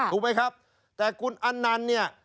ถูกไหมครับแต่คุณอันนันต์เนี่ย